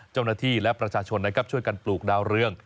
เจ้าหน้าที่และประชาชนนะครับช่วยกันปลูกดาวเรือง